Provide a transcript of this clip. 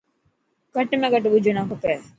گهٽ ۾ گهٽ ٻه ڄڻا کپي.